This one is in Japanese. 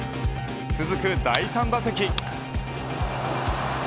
続く第３打席。